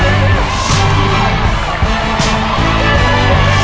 เอาแล้ว